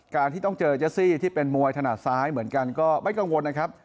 การที่ต้องเจอเจสซี่ที่เป็นมวยถนัดซ้ายเหมือนกันก็ไม่กังวลนะครับ